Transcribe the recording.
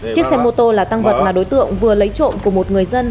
chiếc xe mô tô là tăng vật mà đối tượng vừa lấy trộm của một người dân